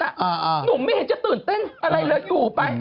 หนุ่มไม่เห็นจะตื่นเต้นอะไรเลยอยู่ไป